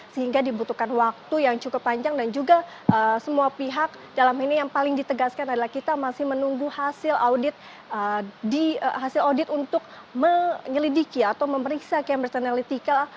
sehingga dibutuhkan waktu yang cukup panjang dan juga semua pihak dalam ini yang paling ditegaskan adalah kita masih menunggu hasil audit untuk menyelidiki atau memeriksa cambridge analytical